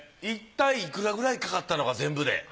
いったいいくらくらいかかったのか全部で。